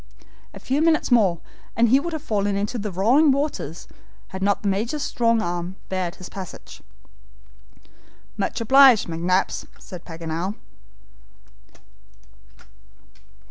A few minutes more, and he would have fallen into the roaring waters had not the Major's strong arm barred his passage. "Much obliged, McNabbs," said Paganel.